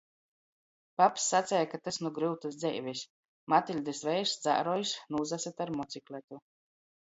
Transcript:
Paps saceja, ka tys nu gryutys dzeivis — Matiļdis veirs dzāruojs nūsasyta ar mocikletu.